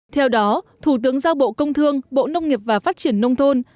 theo đó thủ tướng giao bộ công thương bộ nông nghiệp và phát triển nông thôn